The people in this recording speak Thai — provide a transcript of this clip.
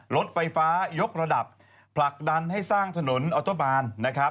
ลดไฟฟ้ายกระดับผลักดันให้สร้างถนนออโต้บาน